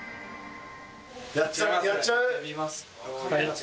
やっちゃう？